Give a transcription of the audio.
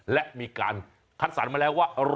และมีการคัดสรรมาแล้วว่า